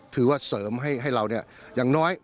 ถือว่าเสริมให้เราอย่างน้อย